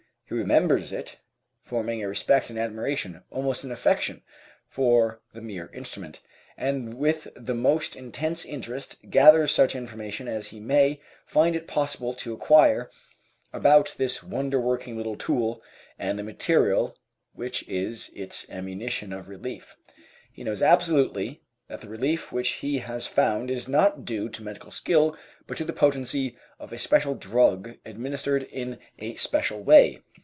He remembers it, forming a respect and admiration, almost an affection, for the mere instrument, and with the most intense interest gathers such information as he may find it possible to acquire about this wonder working little tool and the material which is its ammunition of relief. He knows absolutely that the relief which he has found is not due to medical skill, but to the potency of a special drug administered in a special way.